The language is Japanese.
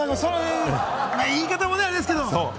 言い方もあれですけれどもね。